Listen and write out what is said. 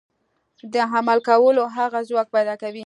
د عمل کولو هغه ځواک پيدا کوي.